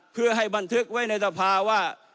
เพื่อให้บันทึกไว้ในสภาว่า